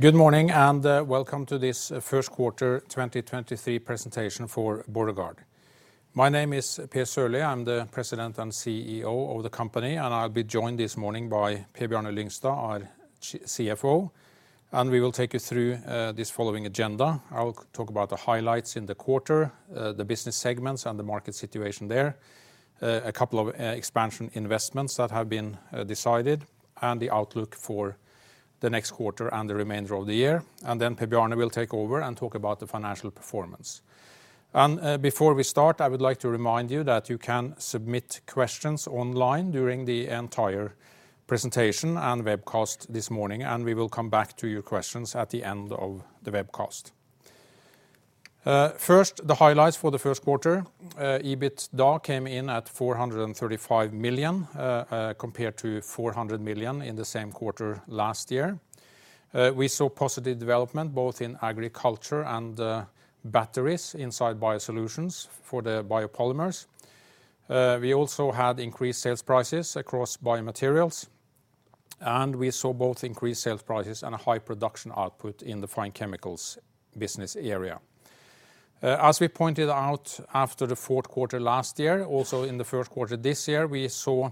Good morning and welcome to this first quarter 2023 presentation for Borregaard. My name is Per Sørlie. I'm the President and CEO of the company. I'll be joined this morning by Per Bjarne Lyngstad, our CFO. We will take you through this following agenda. I'll talk about the highlights in the quarter, the business segments and the market situation there, a couple of expansion investments that have been decided, and the outlook for the next quarter and the remainder of the year. Then Per Bjarne will take over and talk about the financial performance. Before we start, I would like to remind you that you can submit questions online during the entire presentation and webcast this morning. We will come back to your questions at the end of the webcast. First, the highlights for the first quarter. EBITDA came in at 435 million, compared to 400 million in the same quarter last year. We saw positive development both in agriculture and batteries inside BioSolutions for the biopolymers. We also had increased sales prices across BioMaterials, and we saw both increased sales prices and a high production output in the Fine Chemicals business area. As we pointed out after the fourth quarter last year, also in the first quarter this year, we saw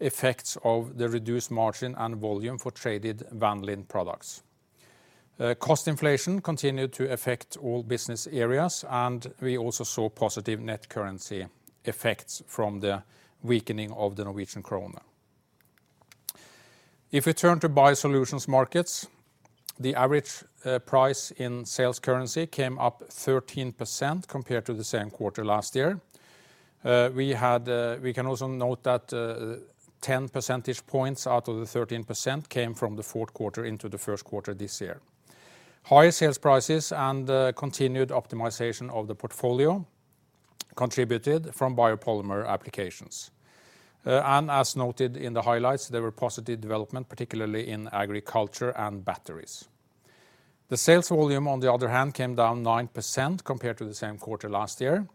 effects of the reduced margin and volume for traded vanillin products. Cost inflation continued to affect all business areas, and we also saw positive net currency effects from the weakening of the Norwegian krone. Turning to BioSolutions markets, the average price in sales currency came up 13% compared to the same quarter last year. We had. We can also note that, ten percentage points out of the 13% came from the fourth quarter into the first quarter this year. Higher sales prices and continued optimization of the portfolio contributed from biopolymer applications. As noted in the highlights, there were positive development, particularly in agriculture and batteries. The sales volume, on the other hand, came down 9% compared to the same quarter last year.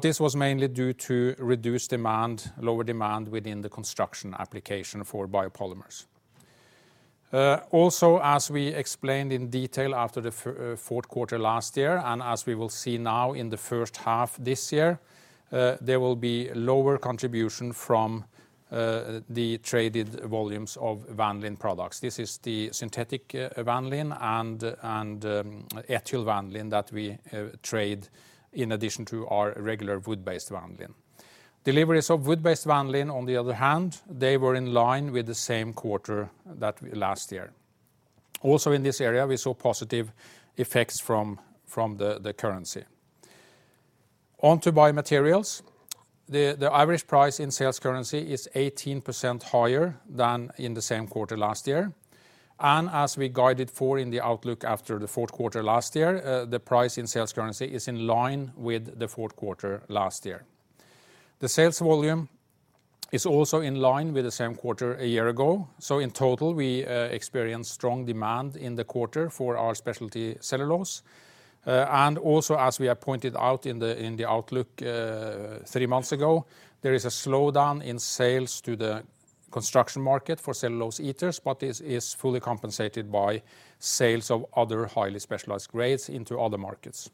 This was mainly due to reduced demand, lower demand within the construction application for biopolymers. As we explained in detail after the fourth quarter last year, and as we will see now in the first half this year, there will be lower contribution from the traded volumes of vanillin products. This is the synthetic vanillin and ethylvanillin that we trade in addition to our regular wood-based vanillin. Deliveries of wood-based vanillin, on the other hand, they were in line with the same quarter that last year. Also in this area, we saw positive effects from the currency. On to BioMaterials. The average price in sales currency is 18% higher than in the same quarter last year. As we guided for in the outlook after the fourth quarter last year, the price in sales currency is in line with the fourth quarter last year. The sales volume is also in line with the same quarter a year ago. In total, we experienced strong demand in the quarter for our specialty cellulose. As we have pointed out in the, in the outlook, three months ago, there is a slowdown in sales to the construction market for cellulose ethers, but this is fully compensated by sales of other highly specialized grades into other markets.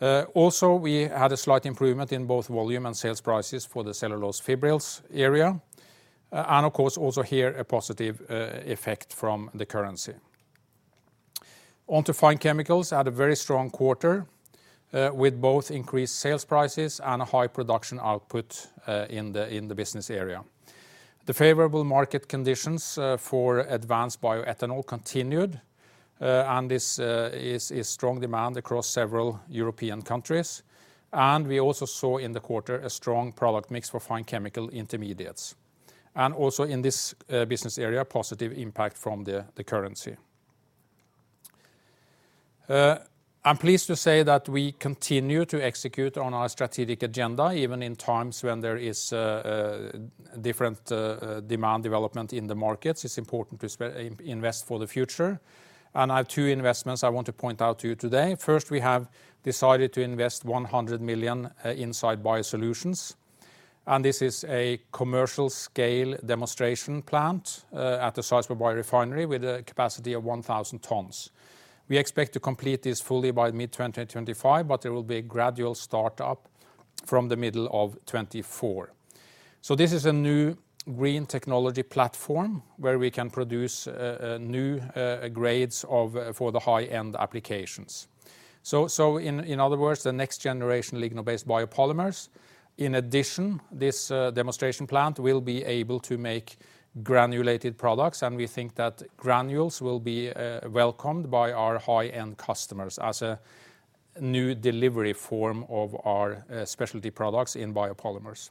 We had a slight improvement in both volume and sales prices for the cellulose fibrils area, and of course, also here, a positive effect from the currency. On to Fine Chemicals, had a very strong quarter, with both increased sales prices and a high production output in the business area. The favorable market conditions for advanced bioethanol continued, this is strong demand across several European countries. We also saw in the quarter a strong product mix for fine chemical intermediates, and also in this business area, positive impact from the currency. I'm pleased to say that we continue to execute on our strategic agenda, even in times when there is different demand development in the markets. It's important to invest for the future. I have two investments I want to point out to you today. First, we have decided to invest 100 million inside BioSolutions, and this is a commercial scale demonstration plant at the Sarpsborg refinery with a capacity of 1,000 tons. We expect to complete this fully by mid-2025, but there will be a gradual startup from the middle of 2024. This is a new green technology platform where we can produce new grades of for the high-end applications. In other words, the next generation lignin-based biopolymers. In addition, this demonstration plant will be able to make granulated products, and we think that granules will be welcomed by our high-end customers as a new delivery form of our specialty products in biopolymers.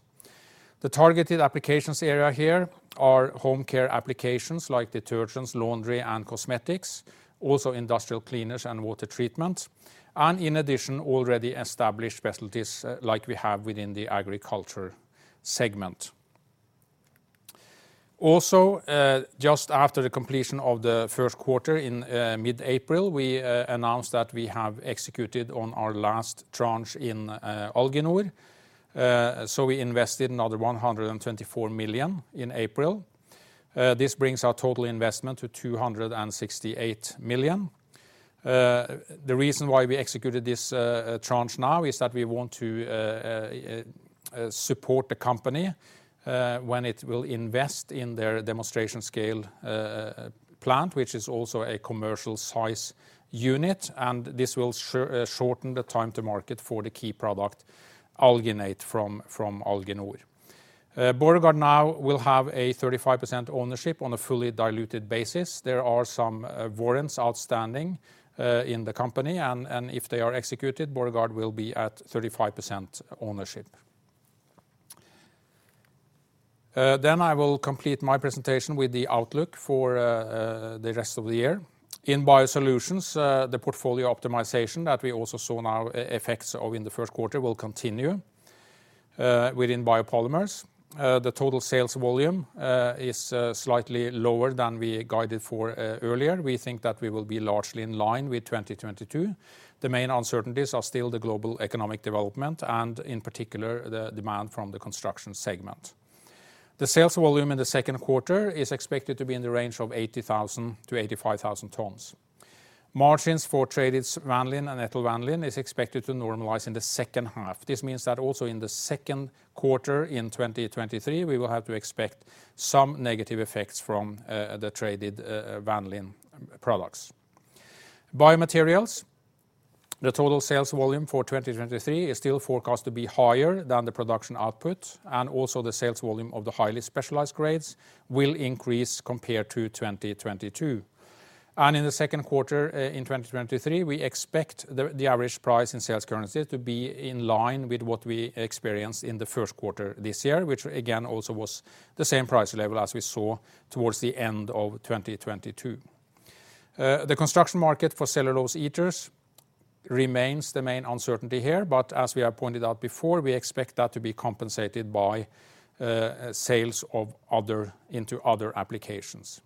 The targeted applications area here are home care applications like detergents, laundry, and cosmetics, also industrial cleaners and water treatment, and in addition, already established specialties like we have within the agriculture segment. Also, just after the completion of the first quarter in mid-April, we announced that we have executed on our last tranche in Alginor. We invested another 124 million in April. This brings our total investment to 268 million. The reason why we executed this tranche now is that we want to support the company when it will invest in their demonstration scale plant, which is also a commercial size unit, and this will shorten the time to market for the key product alginate from Alginor. Borregaard now will have a 35% ownership on a fully diluted basis. There are some warrants outstanding in the company, and if they are executed, Borregaard will be at 35% ownership. Then I will complete my presentation with the outlook for the rest of the year. In BioSolutions, the portfolio optimization that we also saw now effects of in the first quarter will continue. Within Biopolymers, the total sales volume is slightly lower than we guided for earlier. We think that we will be largely in line with 2022. The main uncertainties are still the global economic development and in particular, the demand from the construction segment. The sales volume in the second quarter is expected to be in the range of 80,000-85,000 tons. Margins for traded vanillin and ethylvanillin is expected to normalize in the second half. This means that also in the second quarter in 2023, we will have to expect some negative effects from the traded vanillin products. BioMaterials, the total sales volume for 2023 is still forecast to be higher than the production output, and also the sales volume of the highly specialized grades will increase compared to 2022. In the second quarter, in 2023, we expect the average price in sales currency to be in line with what we experienced in the first quarter this year, which again also was the same price level as we saw towards the end of 2022. The construction market for cellulose ethers remains the main uncertainty here, but as we have pointed out before, we expect that to be compensated by sales into other applications.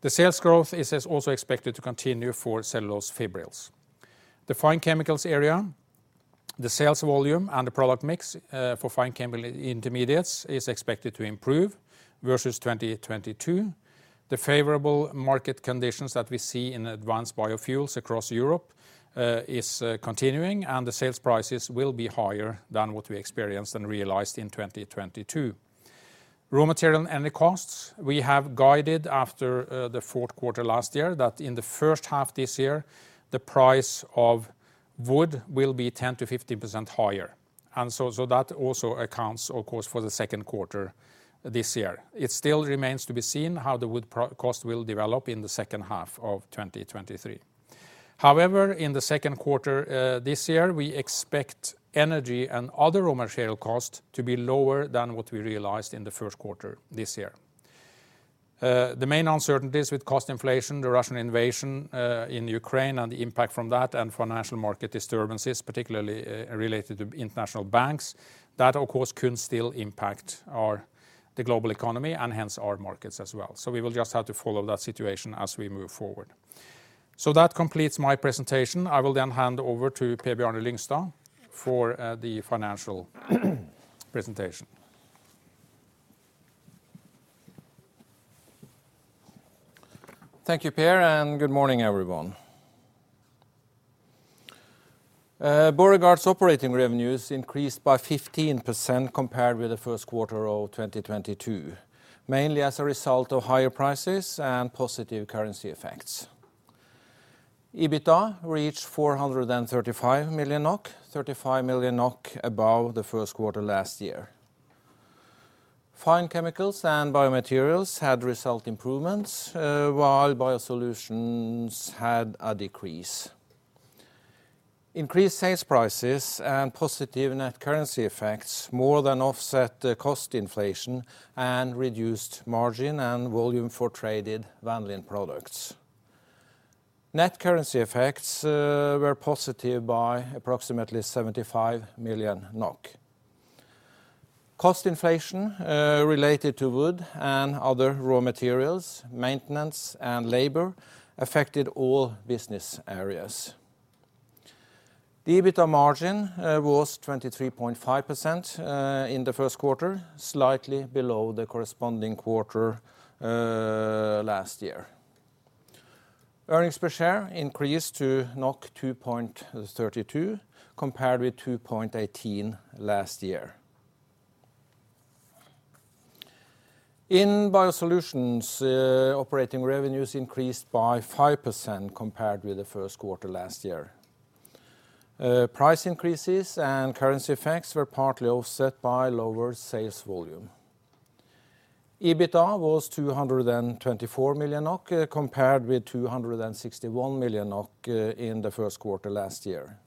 The sales growth is also expected to continue for cellulose fibrils. The Fine Chemicals area, the sales volume and the product mix for fine chemical intermediates is expected to improve versus 2022. The favorable market conditions that we see in advanced biofuels across Europe is continuing, and the sales prices will be higher than what we experienced and realized in 2022. Raw material and the costs, we have guided after the fourth quarter last year that in the first half this year, the price of wood will be 10%-15% higher. So that also accounts of course for the second quarter this year. It still remains to be seen how the wood cost will develop in the second half of 2023. However, in the second quarter this year, we expect energy and other raw material costs to be lower than what we realized in the first quarter this year. The main uncertainties with cost inflation, the Russian Invasion in Ukraine and the impact from that and financial market disturbances, particularly related to international banks, that of course could still impact our, the global economy and hence our markets as well. We will just have to follow that situation as we move forward. That completes my presentation. I will then hand over to Per Bjarne Lyngstad for the financial presentation. Thank you, Per. Good morning, everyone. Borregaard's operating revenues increased by 15% compared with the first quarter of 2022, mainly as a result of higher prices and positive currency effects. EBITDA reached 435 million NOK, 35 million NOK above the first quarter last year. Fine Chemicals and BioMaterials had result improvements, while BioSolutions had a decrease. Increased sales prices and positive net currency effects more than offset the cost inflation and reduced margin and volume for traded vanillin products. Net currency effects were positive by approximately 75 million NOK. Cost inflation related to wood and other raw materials, maintenance, and labor affected all business areas. The EBITDA margin was 23.5% in the first quarter, slightly below the corresponding quarter last year. Earnings per share increased to 2.32, compared with 2.18 last year. In BioSolutions, operating revenues increased by 5% compared with the first quarter last year. Price increases and currency effects were partly offset by lower sales volume. EBITDA was 224 million NOK, compared with 261 million NOK in the first quarter last year.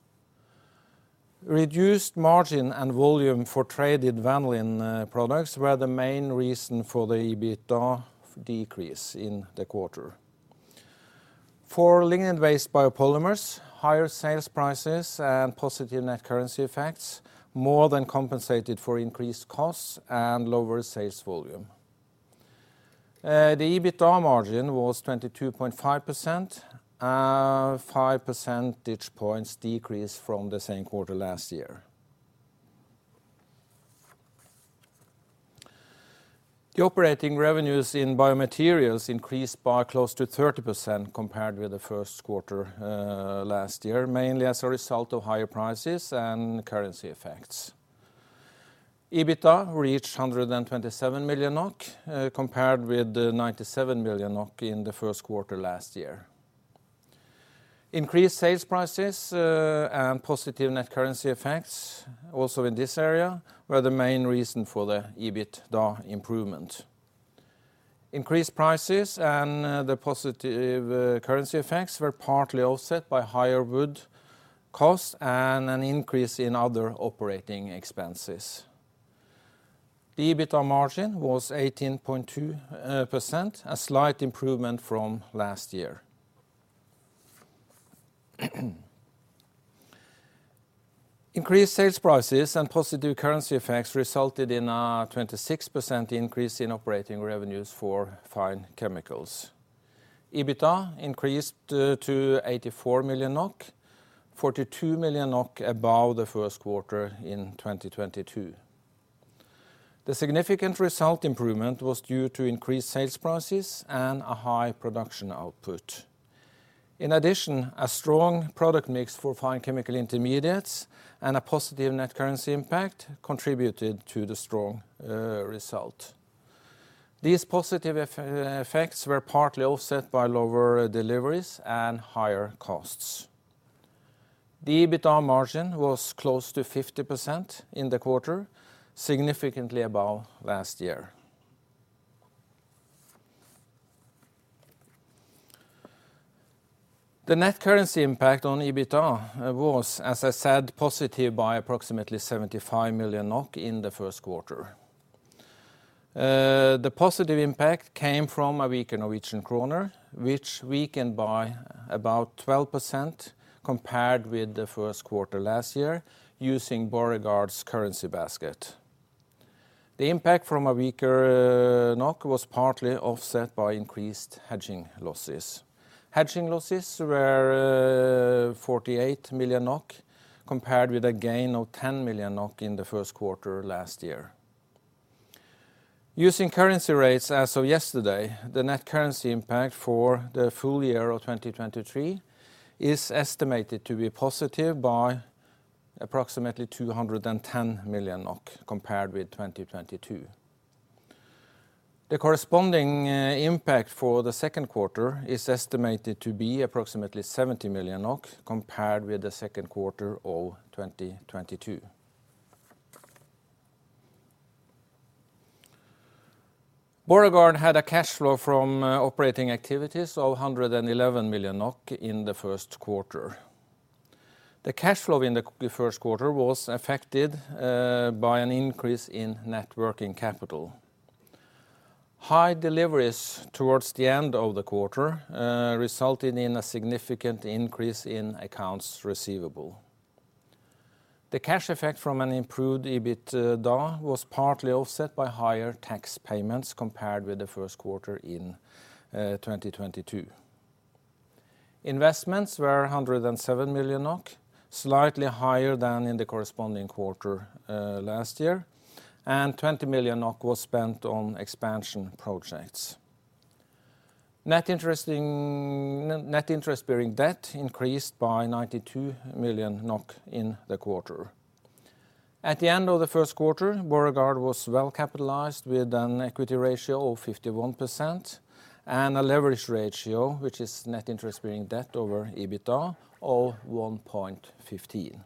Reduced margin and volume for traded vanillin products were the main reason for the EBITDA decrease in the quarter. For lignin-based biopolymers, higher sales prices and positive net currency effects more than compensated for increased costs and lower sales volume. The EBITDA margin was 22.5%, five percentage points decrease from the same quarter last year. The operating revenues in BioMaterials increased by close to 30% compared with the first quarter last year, mainly as a result of higher prices and currency effects. EBITDA reached 127 million NOK compared with 97 million NOK in the first quarter last year. Increased sales prices and positive net currency effects also in this area were the main reason for the EBITDA improvement. Increased prices and the positive currency effects were partly offset by higher wood costs and an increase in other operating expenses. The EBITDA margin was 18.2%, a slight improvement from last year. Increased sales prices and positive currency effects resulted in a 26% increase in operating revenues for Fine Chemicals. EBITDA increased to 84 million NOK, 42 million NOK above the first quarter in 2022. The significant result improvement was due to increased sales prices and a high production output. In addition, a strong product mix for fine chemical intermediates and a positive net currency impact contributed to the strong result. These positive effects were partly offset by lower deliveries and higher costs. The EBITDA margin was close to 50% in the quarter, significantly above last year. The net currency impact on EBITDA was, as I said, positive by approximately 75 million NOK in the first quarter. The positive impact came from a weaker Norwegian kroner, which weakened by about 12% compared with the first quarter last year using Borregaard's currency basket. The impact from a weaker NOK was partly offset by increased hedging losses. Hedging losses were 48 million NOK compared with a gain of 10 million NOK in the first quarter last year. Using currency rates as of yesterday, the net currency impact for the full year of 2023 is estimated to be positive by approximately 210 million NOK compared with 2022. The corresponding impact for the second quarter is estimated to be approximately 70 million NOK compared with the second quarter of 2022. Borregaard had a cash flow from operating activities of 111 million NOK in the first quarter. The cash flow in the first quarter was affected by an increase in net working capital. High deliveries towards the end of the quarter resulted in a significant increase in accounts receivable. The cash effect from an improved EBITDA was partly offset by higher tax payments compared with the first quarter in 2022. Investments were 107 million NOK, slightly higher than in the corresponding quarter last year, and 20 million NOK was spent on expansion projects. Net interest-bearing debt increased by 92 million NOK in the quarter. At the end of the first quarter, Borregaard was well capitalized with an equity ratio of 51% and a leverage ratio, which is net interest-bearing debt over EBITDA, of 1.15.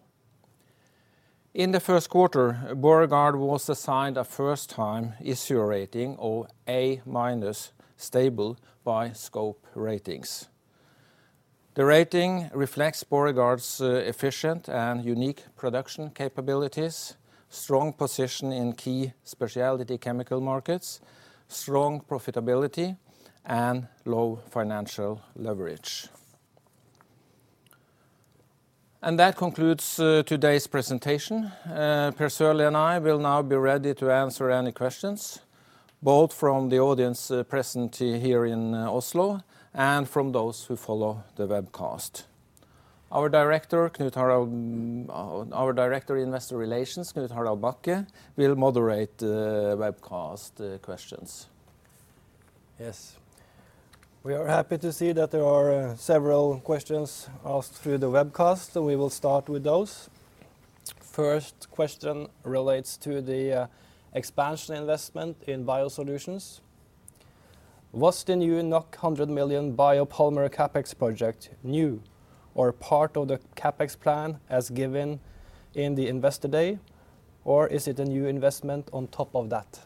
In the first quarter, Borregaard was assigned a first-time issuer rating of A-/Stable by Scope Ratings. The rating reflects Borregaard's efficient and unique production capabilities, strong position in key speciality chemical markets, strong profitability, and low financial leverage. That concludes today's presentation. Per Sørlie and I will now be ready to answer any questions, both from the audience, present here in Oslo and from those who follow the webcast. Our Director Investor Relations, Knut-Harald Bakke, will moderate the webcast questions. Yes. We are happy to see that there are several questions asked through the webcast, so we will start with those. First question relates to the expansion investment in BioSolutions. Was the new 100 million biopolymer CapEx project new or part of the CapEx plan as given in the Capital Markets Day, or is it a new investment on top of that?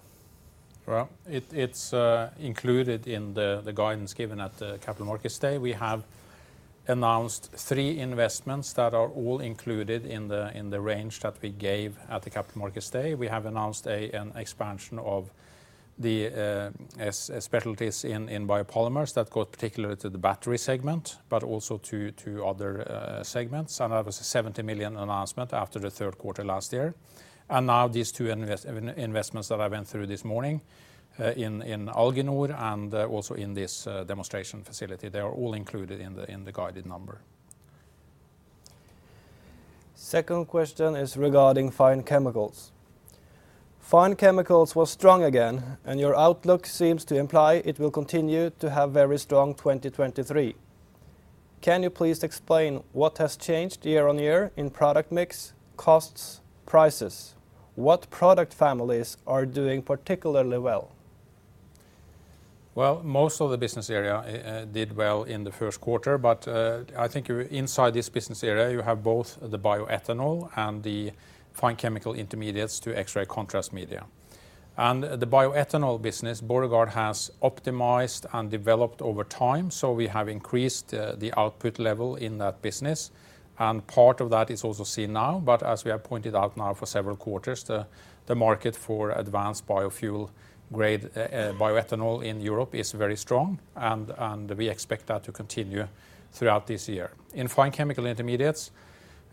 Well, it's included in the guidance given at the Capital Markets Day. We have announced three investments that are all included in the range that we gave at the Capital Markets Day. We have announced an expansion of the specialties in biopolymers that go particularly to the battery segment, but also to other segments. That was a 70 million announcement after the third quarter last year. Now these two investments that I went through this morning in Alginor and also in this demonstration facility, they are all included in the guided number. Second question is regarding Fine Chemicals. Fine Chemicals was strong again. Your outlook seems to imply it will continue to have very strong 2023. Can you please explain what has changed year-on-year in product mix, costs, prices? What product families are doing particularly well? Well, most of the business area did well in the first quarter, but I think you're inside this business area, you have both the bioethanol and the fine chemical intermediates to X-ray contrast media. The bioethanol business, Borregaard has optimized and developed over time, so we have increased the output level in that business, and part of that is also seen now. As we have pointed out now for several quarters, the market for advanced biofuel grade bioethanol in Europe is very strong, and we expect that to continue throughout this year. In fine chemical intermediates,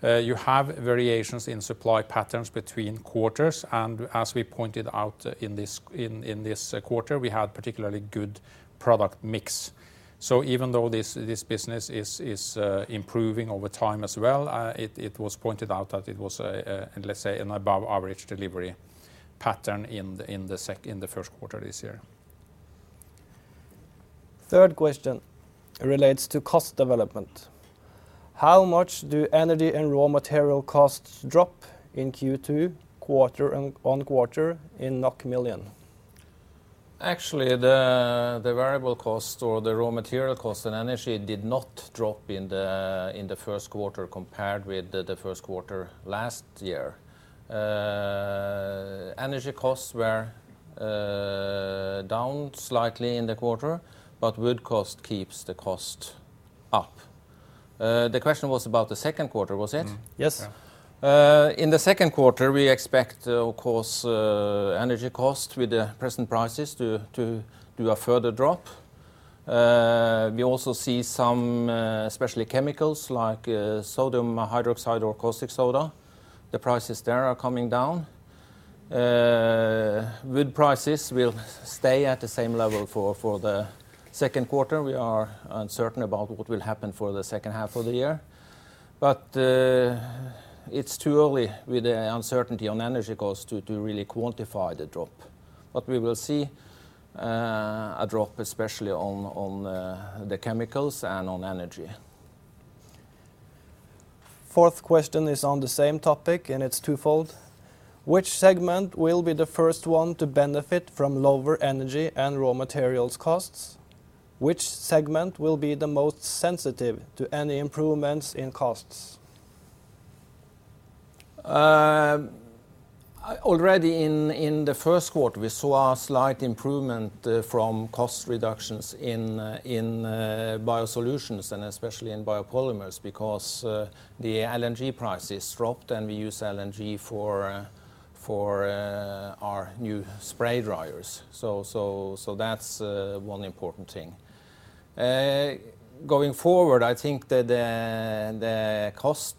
you have variations in supply patterns between quarters, and as we pointed out in this quarter, we had particularly good product mix. Even though this business is improving over time as well, it was pointed out that it was a, let's say, an above-average delivery pattern in the first quarter this year. Third question relates to cost development. How much do energy and raw material costs drop in Q2 quarter and on quarter in million? Actually, the variable cost or the raw material cost and energy did not drop in the, in the first quarter compared with the first quarter last year. Energy costs were down slightly in the quarter. Wood cost keeps the cost up. The question was about the second quarter, was it? Yes. Yeah. In the second quarter, we expect, of course, energy costs with the present prices to do a further drop. We also see some, especially chemicals like sodium hydroxide or caustic soda, the prices there are coming down. Wood prices will stay at the same level for the second quarter. We are uncertain about what will happen for the second half of the year. It's too early with the uncertainty on energy costs to really quantify the drop. We will see a drop especially on the chemicals and on energy. Fourth question is on the same topic, and it's twofold. Which segment will be the first one to benefit from lower energy and raw materials costs? Which segment will be the most sensitive to any improvements in costs? Already in the first quarter, we saw a slight improvement from cost reductions in BioSolutions and especially in biopolymers because the LNG prices dropped, and we use LNG for our new spray dryers. That's one important thing. Going forward, I think that the cost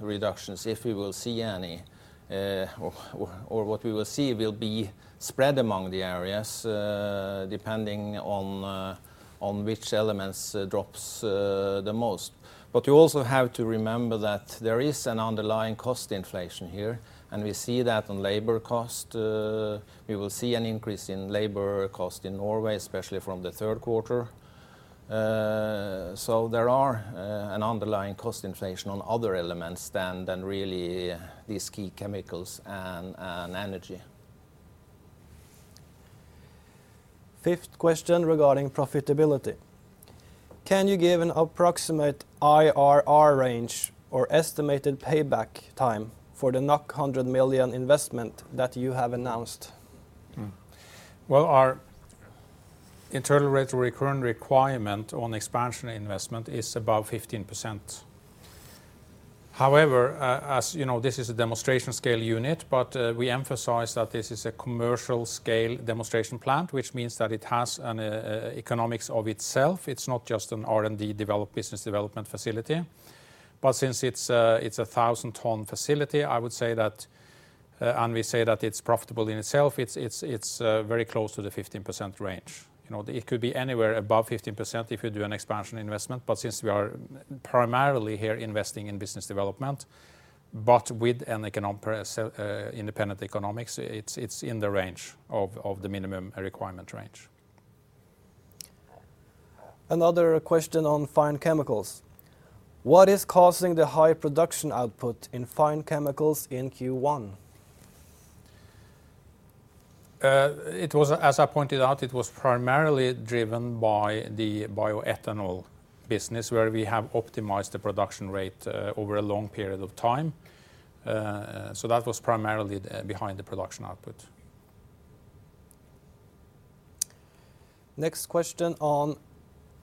reductions, if we will see any, or what we will see will be spread among the areas, depending on which elements drops the most. You also have to remember that there is an underlying cost inflation here, and we see that on labor cost. We will see an increase in labor cost in Norway, especially from the third quarter. There are an underlying cost inflation on other elements than really these key chemicals and energy. Fifth question regarding profitability. Can you give an approximate IRR range or estimated payback time for the 100 million investment that you have announced? Well, our internal rate of return requirement on expansion investment is above 15%. However, as you know, this is a demonstration scale unit, but we emphasize that this is a commercial scale demonstration plant, which means that it has economics of itself. It's not just an R&D business development facility. Since it's a 1,000-ton facility, I would say that, and we say that it's profitable in itself, it's very close to the 15% range. You know, it could be anywhere above 15% if you do an expansion investment. Since we are primarily here investing in business development, but with independent economics, it's in the range of the minimum requirement range. Another question on Fine Chemicals. What is causing the high production output in Fine Chemicals in Q1? It was, as I pointed out, it was primarily driven by the bioethanol business where we have optimized the production rate over a long period of time. That was primarily the behind the production output. Next question on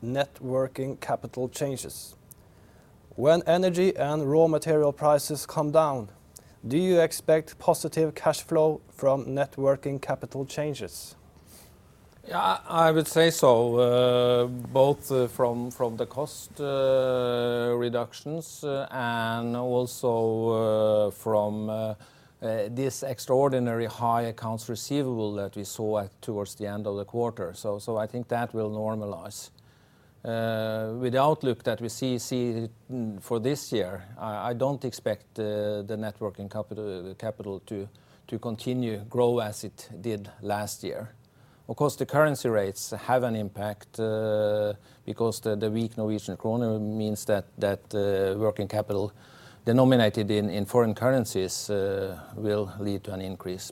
net working capital changes. When energy and raw material prices come down, do you expect positive cash flow from net working capital changes? I would say so, both from the cost reductions and also from this extraordinary high accounts receivable that we saw at towards the end of the quarter. I think that will normalize. With the outlook that we see for this year, I don't expect the net working capital to continue grow as it did last year. Of course, the currency rates have an impact, because the weak Norwegian kroner means that working capital denominated in foreign currencies will lead to an increase.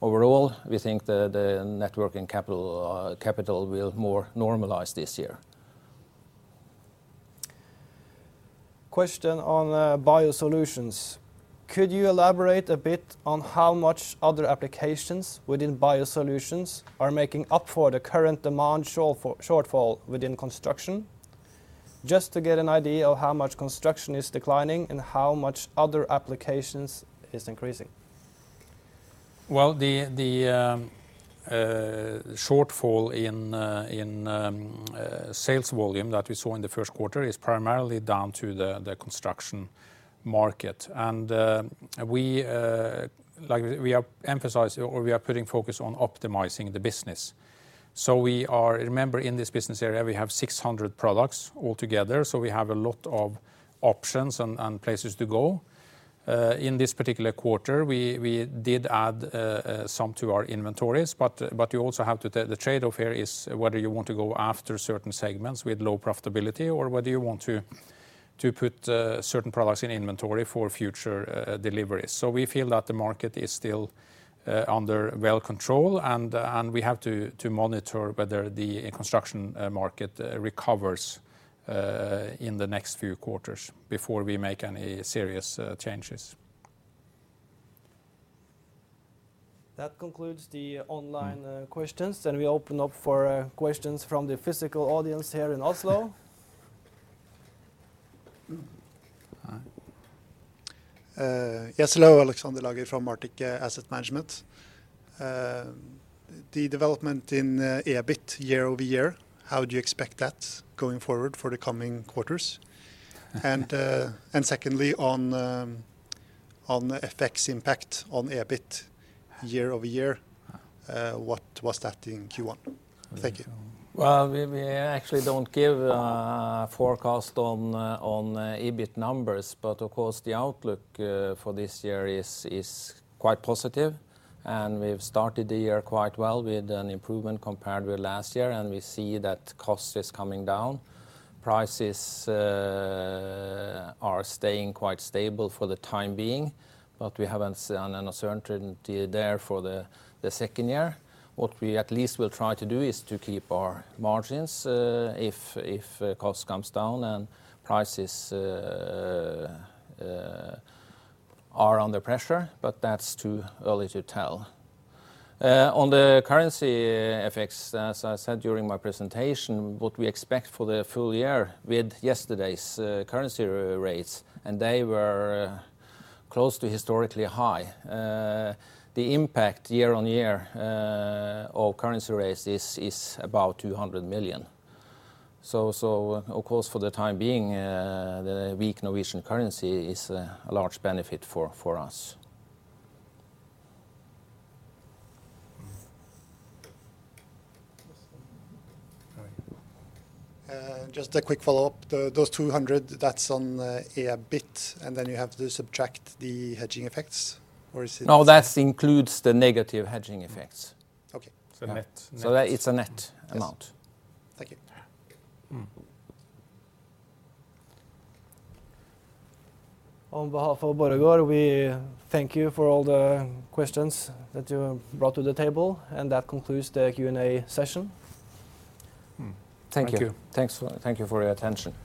Overall, we think the net working capital will more normalize this year. Question on BioSolutions. Could you elaborate a bit on how much other applications within BioSolutions are making up for the current demand shortfall within construction? Just to get an idea of how much construction is declining and how much other applications is increasing? The shortfall in sales volume that we saw in the first quarter is primarily down to the construction market. Like we are emphasizing or we are putting focus on optimizing the business. We are. Remember, in this business area, we have 600 products altogether, so we have a lot of options and places to go. In this particular quarter, we did add some to our inventories, but you also have to the trade-off here is whether you want to go after certain segments with low profitability or whether you want to put certain products in inventory for future deliveries. We feel that the market is still under well control, and we have to monitor whether the construction market recovers in the next few quarters before we make any serious changes. That concludes the online questions, and we open up for questions from the physical audience here in Oslo. Hi. Yes, hello, Alexander Lager from Arctic Asset Management. The development in EBIT year-over-year, how do you expect that going forward for the coming quarters? Secondly, on FX impact on EBIT year-over-year, what was that in Q1? Thank you. Well, we actually don't give forecast on EBIT numbers. Of course the outlook for this year is quite positive. We've started the year quite well with an improvement compared with last year. We see that cost is coming down. Prices are staying quite stable for the time being. We haven't seen an uncertainty there for the second year. What we at least will try to do is to keep our margins if cost comes down and prices are under pressure. That's too early to tell. On the currency effects, as I said during my presentation, what we expect for the full year with yesterday's currency rates. They were close to historically high. The impact year-on-year of currency rates is about 200 million. Of course for the time being, the weak Norwegian currency is a large benefit for us. This one. All right. Just a quick follow-up. Those 200, that's on EBIT, and then you have to subtract the hedging effects, or is it? No, that's includes the negative hedging effects. Okay. net. It's a net amount. Yes. Thank you. On behalf of Borregaard, we thank you for all the questions that you have brought to the table. That concludes the Q&A session. Thank you. Thank you. Thank you for your attention.